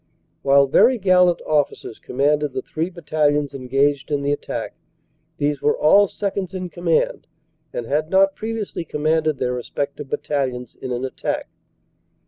While very gallant officers commanded the three 238 CANADA S HUNDRED DAYS Battalions engaged in the attack, these were all seconds in com mand and had not previously commanded their respective Bat talions in an attack.